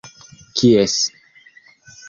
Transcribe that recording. kies